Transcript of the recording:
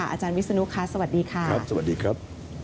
อาจารย์วิศนุค่ะสวัสดีค่ะครับสวัสดีครับ